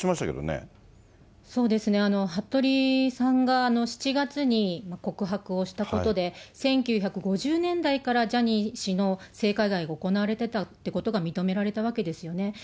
服部さんが７月に告白をしたことで、１９５０年代からジャニー氏の性加害が行われていたということが、認められたわけですよね。